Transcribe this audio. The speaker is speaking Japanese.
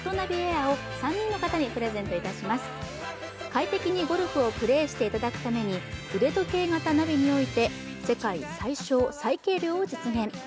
快適にゴルフをプレーしていただくために腕時計型ナビにおいて世界最小・最軽量を実現。